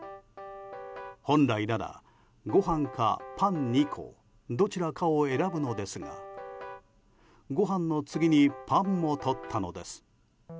本来なら、ご飯かパン２個どちらかを選ぶのですがご飯の次にパンも取ったのです。